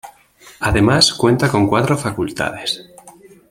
Además cuenta con cuatro facultades.